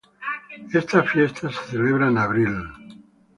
Esta fiesta se celebra en abril.